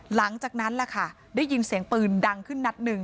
หลังจากนั้นล่ะค่ะได้ยินเสียงปืนดังขึ้นนัดหนึ่ง